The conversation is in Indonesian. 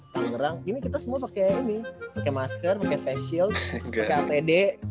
tangerang ini kita semua pakai ini pakai masker pakai face shield pakai apd